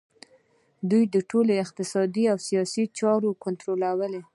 دوی ټولې اقتصادي او سیاسي چارې کنټرولوي